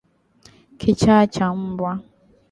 Kichaa cha mbwa